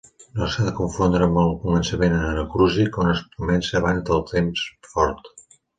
No s'ha de confondre amb el començament anacrúsic, on es comença abans del temps fort.